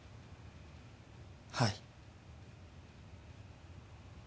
はい。